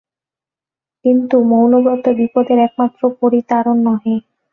কিন্তু মৌনব্রত বিপদের একমাত্র পরিতারণ নহে।